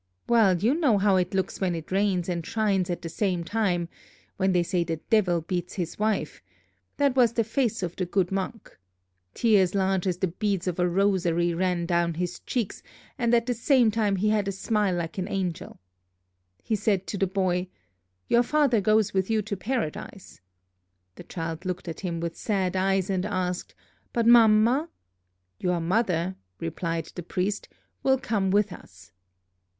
Well, you know how it looks when it rains and shines at the same time, when they say the Devil beats his wife, that was the face of the good monk. Tears large as the beads of a rosary ran down his cheeks, and at the same time he had a smile like an angel.... He said to the boy, 'Your father goes with you to Paradise!' The child looked at him with sad eyes, and asked, 'But Mamma?' 'Your mother,' replied the priest, 'will come with us.'